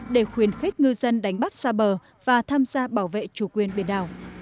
để khuyến khích ngư dân đánh bắt xa bờ và tham gia bảo vệ chủ quyền biển đảo